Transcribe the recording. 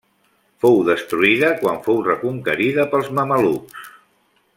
Fou destruïda quan fou reconquerida pels mamelucs.